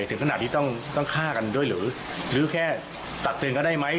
ถึงขนาดที่ต้องต้องฆ่ากันด้วยหรือหรือแค่ตัดซึงก็ได้ไหม